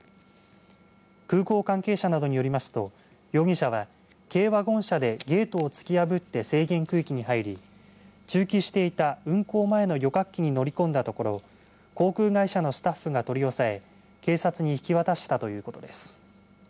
空港関係者などによりますと容疑者は軽ワゴン車でゲート突き破って制限区域に入り駐機していた運航前の旅客機に乗り込んだところ航空会社のスタッフが取り押さえ警察に引き渡したということです。